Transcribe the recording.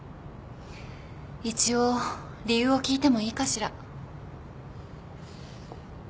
一応理由を聞いてもいいかしら？